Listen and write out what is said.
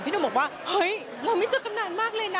หนุ่มบอกว่าเฮ้ยเราไม่เจอกำนานมากเลยนะ